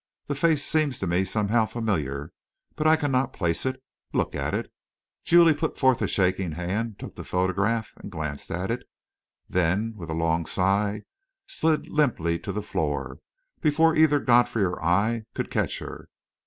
The face seems to me somehow familiar, but I cannot place it. Look at it." Julie put forth a shaking hand, took the photograph, and glanced at it; then, with a long sigh, slid limply to the floor, before either Godfrey or I could catch her.